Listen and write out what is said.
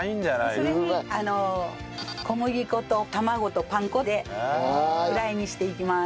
それに小麦粉と卵とパン粉でフライにしていきます。